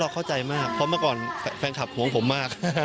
เข้าใจมากเพราะเมื่อก่อนแฟนคลับห่วงผมมาก